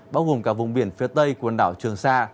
bao gồm cả vùng biển phía tây quần đảo trường sa